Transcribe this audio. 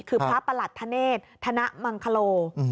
คือพระประหลัดธเนธธนมังคโล